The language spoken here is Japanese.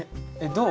どう？